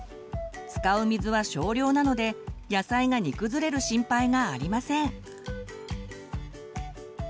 使う水は少量なので野菜が煮崩れる心配がありません。